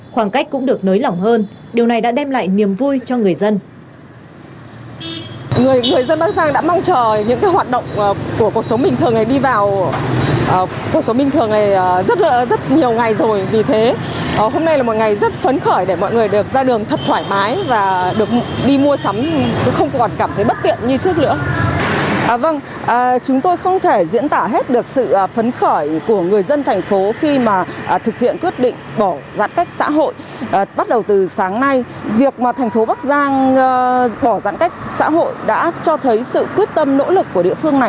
khoảng cách cũng được nới lỏng hơn điều này đã đem lại niềm vui cho người dân